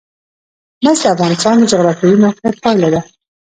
مس د افغانستان د جغرافیایي موقیعت پایله ده.